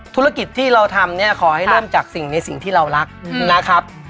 ธุรกิจที่เราทำเนี่ยขอให้เริ่มจากสิ่งในสิ่งที่เรารักนะครับ